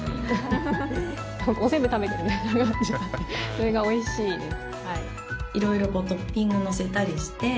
それがおいしいです。